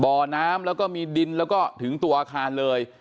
บ่อน้ำแล้วก็มีดินแล้วก็ถึงตัวอาคารเลย